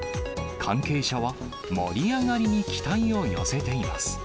関係者は盛り上がりに期待を寄せています。